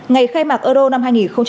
ngày khai mạc euro năm hai nghìn hai mươi